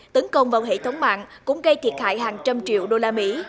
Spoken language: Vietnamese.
tấn công vào hệ thống mạng cũng gây thiệt hại hàng trăm triệu đô la mỹ